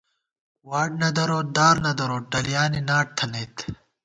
واٹ نہ دروت، دار نہ دروت، ڈلیانی ناٹ تھنَئیت